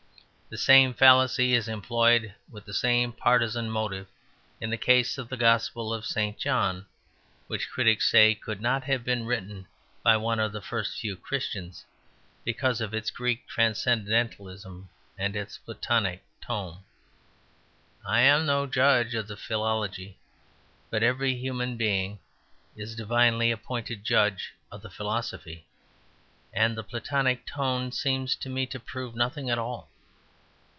The same fallacy is employed with the same partisan motive in the case of the Gospel of St. John; which critics say could not have been written by one of the first few Christians because of its Greek transcendentalism and its Platonic tone. I am no judge of the philology, but every human being is a divinely appointed judge of the philosophy: and the Platonic tone seems to me to prove nothing at all.